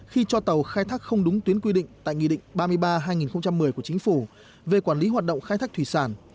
khi cho tàu khai thác không đúng tuyến quy định tại nghị định ba mươi ba hai nghìn một mươi của chính phủ về quản lý hoạt động khai thác thủy sản